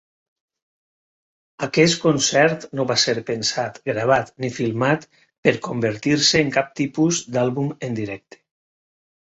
Aquest concert no va ser pensat, gravat ni filmat per convertir-se en cap tipus d'àlbum en directe.